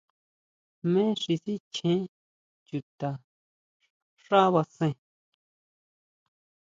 ¿Jme xi sichjén chuta xá basén?